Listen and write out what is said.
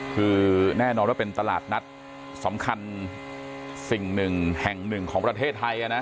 คือแน่นอนว่าเป็นตลาดนัดสำคัญสิ่งหนึ่งแห่งหนึ่งของประเทศไทยนะ